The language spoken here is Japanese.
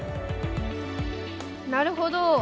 なるほど！